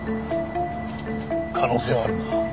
可能性はあるな。